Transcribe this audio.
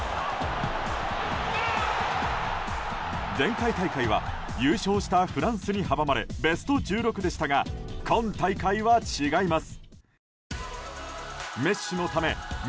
前回大会は優勝したフランスに阻まれベスト１６でしたが今大会は違います。